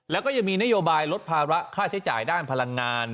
แล้วก็ยังมีนโยบายลดภาระค่าใช้จ่ายด้านพลังงาน